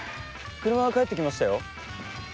車が帰ってきましたよ。